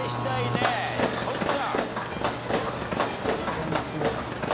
全然分かんないです。